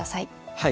はい。